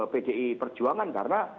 pdi perjuangan karena